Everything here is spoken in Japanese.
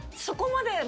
そこまで？